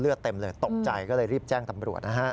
เต็มเลยตกใจก็เลยรีบแจ้งตำรวจนะฮะ